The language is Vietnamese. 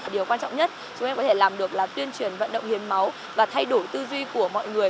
điều quan trọng nhất chúng em có thể làm được là tuyên truyền vận động hiến máu và thay đổi tư duy của mọi người